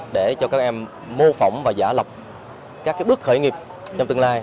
để cho các em mô phỏng và giả lập các bước khởi nghiệp trong tương lai